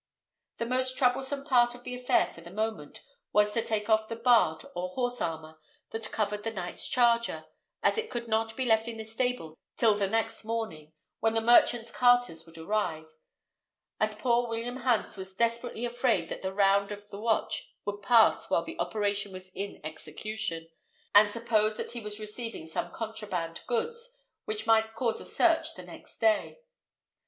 The most troublesome part of the affair for the moment was to take off the bard or horse armour that covered the knight's charger, as it could not be left in the stable till the next morning, when the merchant's carters would arrive; and poor William Hans was desperately afraid that the round of the watch would pass while the operation was in execution, and suppose that he was receiving some contraband goods, which might cause a search the next day.